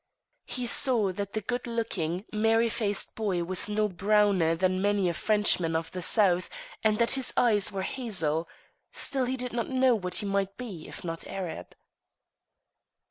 He saw that the good looking, merry faced boy was no browner than many a Frenchman of the south, and that his eyes were hazel; still, he did not know what he might be, if not Arab.